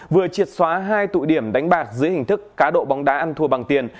vừa triệt xóa hai tụ điểm đánh bạc dưới hình thức cá độ bóng đá ăn thua bằng tiền